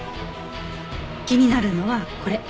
気になるのはこれ。